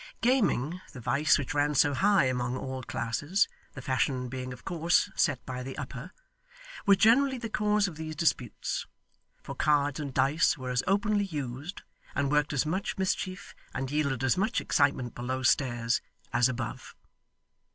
Gaming, the vice which ran so high among all classes (the fashion being of course set by the upper), was generally the cause of these disputes; for cards and dice were as openly used, and worked as much mischief, and yielded as much excitement below stairs, as above.